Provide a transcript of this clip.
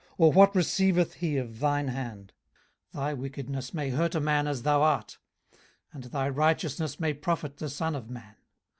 or what receiveth he of thine hand? 18:035:008 Thy wickedness may hurt a man as thou art; and thy righteousness may profit the son of man.